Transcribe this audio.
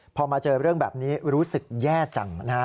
พอมาเจอเรื่องแบบนี้รู้สึกแย่จังนะครับ